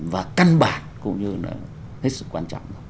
và căn bản cũng như là hết sức quan trọng